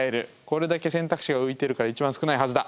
これだけ選択肢が浮いてるから一番少ないはずだ。